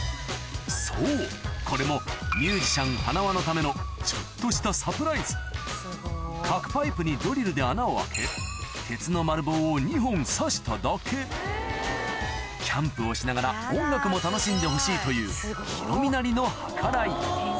そうこれもミュージシャンはなわのためのちょっとしたサプライズ角パイプにドリルで穴を開け鉄の丸棒を２本さしただけキャンプをしながら音楽も楽しんでほしいというヒロミなりの計らい